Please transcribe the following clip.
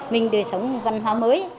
mình đời sống văn hóa mới